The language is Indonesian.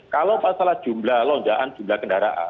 kalau pasalah jumlah lonjaan jumlah kendaraan